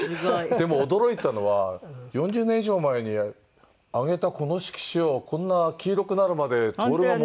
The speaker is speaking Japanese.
でも驚いたのは４０年以上前にあげたこの色紙をこんな黄色くなるまで徹が持ってるっていう。